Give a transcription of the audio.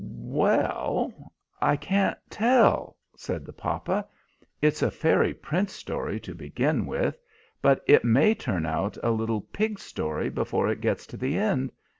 "Well, I can't tell," said the papa. "It's a fairy prince story to begin with, but it may turn out a little pig story before it gets to the end.